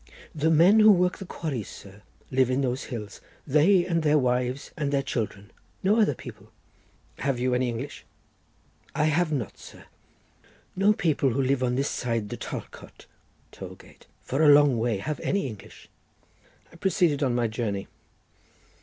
"The men who work the quarries, sir, live in those hills. They and their wives and their children. No other people." "Have you any English?" "I have not, sir. No people who live on this side the talcot (tollgate) for a long way have any English." I proceeded on my journey.